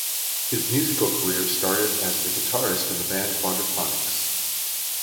His musical career started of as the guitarist in the band Quadraphonics.